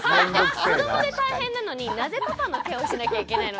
子どもで大変なのになぜパパのケアをしなきゃいけないの？